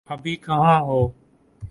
ابھی کہاں ہو؟